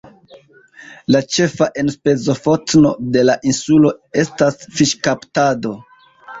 La ĉefa enspezofotno de la insulo estas fiŝkaptado.